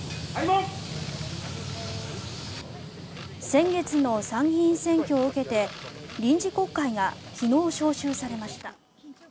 先月の参議院選挙を受けて臨時国会が昨日、召集されました。